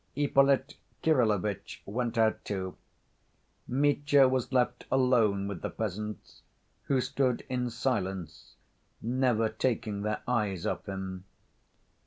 Ippolit Kirillovitch went out, too. Mitya was left alone with the peasants, who stood in silence, never taking their eyes off him.